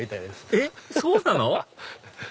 えっそうなの？